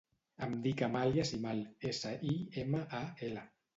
Em dic Amàlia Simal: essa, i, ema, a, ela.